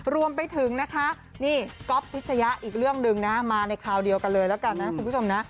รวมไปถึงนะคะนี่ก๊อฟพิชยะอีกเรื่องหนึ่งนะมาในคราวเดียวกันเลยแล้วกันนะคุณผู้ชมนะ